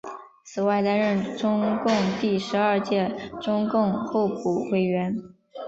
此外担任中共第十二届中央候补委员。